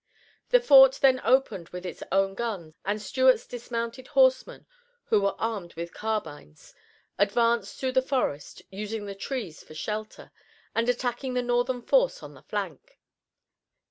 The fort then opened with its own guns, and Stuart's dismounted horsemen, who were armed with carbines, advanced through the forest, using the trees for shelter, and attacking the Northern force on the flank.